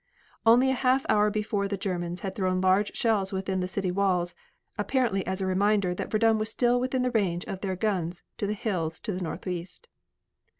Only a half hour before the Germans had thrown large shells within the city walls, apparently as a reminder that Verdun was still within the range of their guns to the hills to the northeast.